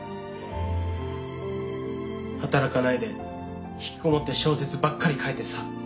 働かないで引きこもって小説ばっかり書いてさ。